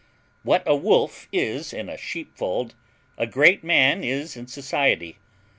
What a wolf is in a sheep fold, a great man is in society.